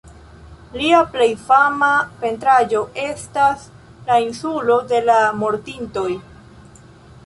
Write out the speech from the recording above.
Lia plej fama pentraĵo estas "La Insulo de la Mortintoj".